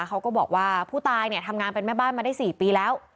เขาก็บอกว่าผู้ตายเนี่ยทำงานเป็นแม่บ้านมาได้๔ปีแล้ว